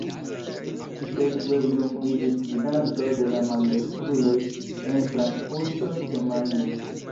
Sekve Blum iĝis gvidanto de la maldekstruloj en Frankfurto ĉe Majno.